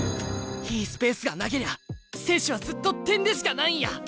いいスペースがなけりゃ選手はずっと点でしかないんや！